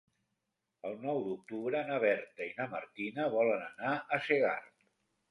El nou d'octubre na Berta i na Martina volen anar a Segart.